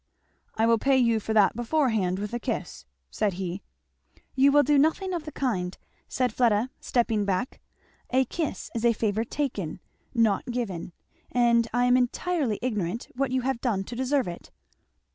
"I will pay you for that beforehand with a kiss," said he. "You will do nothing of the kind," said Fleda stepping back; "a kiss is a favour taken, not given; and I am entirely ignorant what you have done to deserve it."